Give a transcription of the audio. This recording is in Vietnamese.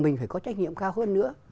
mình phải có trách nhiệm cao hơn nữa